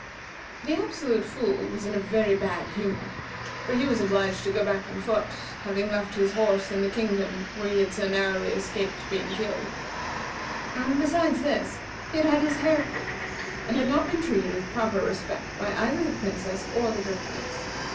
The Absolute Fool was in a very bad humor; for he was obliged to go back on foot, having left his horse in the kingdom where he had so narrowly escaped being killed; and, besides this, he had had his hair pulled; and had not been treated with proper respect by either the Princess or the Gryphoness.